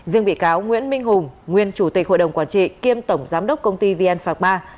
riêng bị cáo nguyễn minh hùng nguyên chủ tịch hội đồng quản trị kiêm tổng giám đốc công ty vn phạc ba